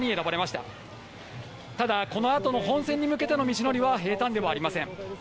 ただ、このあとの本選に向けての道のりは平たんではありません。